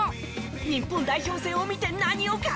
日本代表戦を見て何を語る？